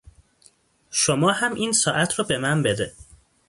شما هم این ساعت رو به من بده